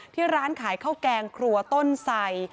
ที่ร้านขายข้าวแกงครัวต้นไส